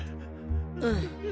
うん。